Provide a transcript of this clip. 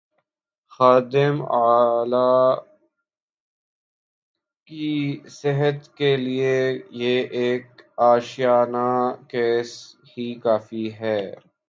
خادم اعلی کی صحت کیلئے یہ ایک آشیانہ کیس ہی کافی ہے۔